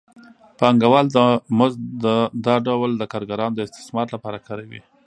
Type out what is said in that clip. پانګوال د مزد دا ډول د کارګرانو د استثمار لپاره کاروي